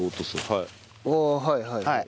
ああはいはいはい。